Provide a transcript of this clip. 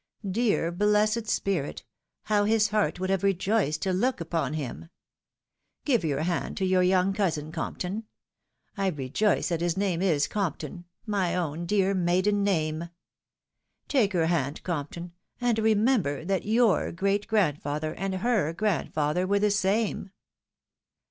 Dear, blessed spirit ! how his heart would have rejoiced to look upon him ! Give your hand to your young cousin Compton. I re joice that his name is Compton — ^my own dear maiden name ! Take her hand, Compton, and remember that your great grand father and her grandfather were the same."